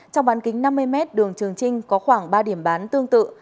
trong bán kính năm mươi m đường trường trinh có khoảng ba điểm bán tương tự